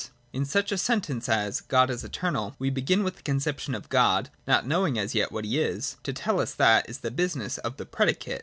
In such a sentence as ' God is eternal,' we begin with the conception of God, not knowing as yet what he is : to tell us that, is the business of the predicate.